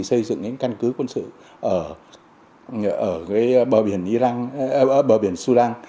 xây dựng những căn cứ quân sự ở bờ biển surang